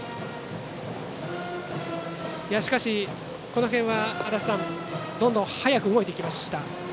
しかし、この辺はどんどん早く動いてきました。